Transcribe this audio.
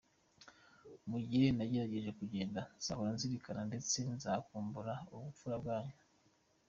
Mu gihe negereje kugenda, nzahora nzirikana ndetse nzakumbura ubupfura bwanyu.